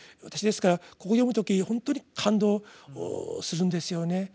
私ですからここを読む時ほんとに感動するんですよね。